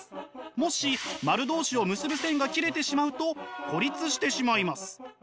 もし丸同士を結ぶ線が切れてしまうと孤立してしまいます。